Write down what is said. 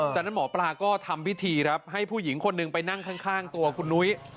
จากนั้นหมอปลาก็ทำพิธีครับให้ผู้หญิงคนหนึ่งไปนั่งข้างตัวคุณนุ้ย